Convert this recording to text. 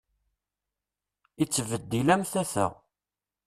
Ittbeddil am tata.